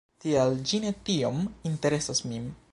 Tial ĝi ne tiom interesas min.